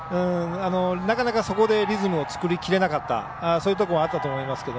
なかなかそこでリズムを作りきれなかったそういうところもあったと思いますが。